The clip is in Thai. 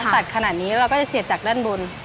ตัดขนาดนี้เราก็จะเสียบจากด้านบน